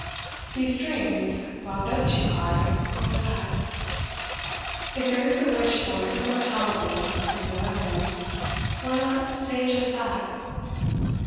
These strings, wound up too high, will snap. If there is a wish for immortality, and no evidence, why not say just that?